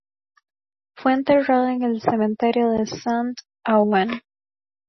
Fue enterrado en el Cementerio de Saint-Ouen.